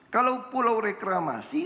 kalau pulau reklamasi